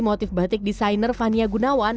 motif batik desainer fania gunawan